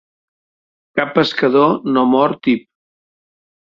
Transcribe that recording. Cap pescador no mor tip.